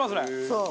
そう。